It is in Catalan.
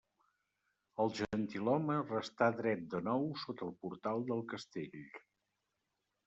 El gentilhome restà dret de nou sota el portal del castell.